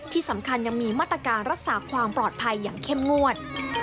ที่สำคัญยังมีมาตรการรักษาความปลอดภัยอย่างเข้มงวด